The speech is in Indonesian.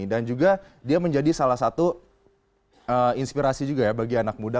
dan juga dia menjadi salah satu inspirasi juga ya bagi anak muda